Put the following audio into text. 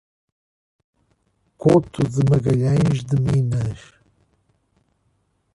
Couto de Magalhães de Minas